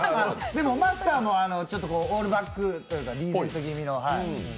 でも、マスターのオールバックというかリーゼント気味の。